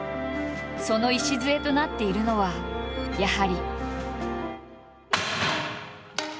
その礎となっているのはやはり。